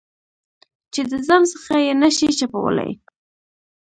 چې د ځان څخه یې نه شې چپولای.